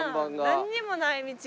なんにもない道。